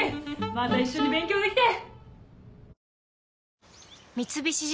また一緒に勉強できて。